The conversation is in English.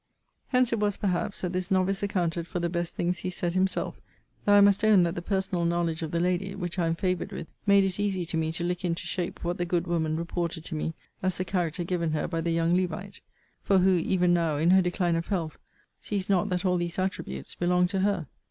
Hence it was, perhaps, that this novice accounted for the best things he said himself; though I must own that the personal knowledge of the lady, which I am favoured with, made it easy to me to lick into shape what the good woman reported to me, as the character given her by the young Levite: For who, even now, in her decline of health, sees not that all these attributes belong to her?